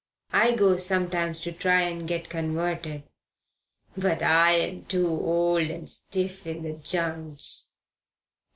I goes sometimes to try and get converted. But I'm too old and stiff in the j'ints.